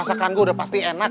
masakan gue udah pasti enak